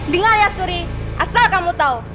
dengar ya asri asal kamu tahu